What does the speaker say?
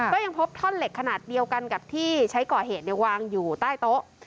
ก็ยังพบท่อนเหล็กขนาดเดียวกันกับที่ใช้ก่อเหตุวางอยู่ใต้โต๊ะ